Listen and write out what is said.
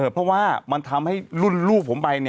เพราะว่ามันทำให้รุ่นลูกผมไป